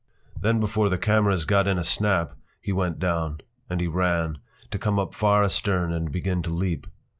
Then before the cameras got in a snap he went down. And he ran, to come up far astern and begin to leap.